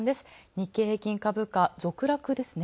日経平均株価、続落ですね。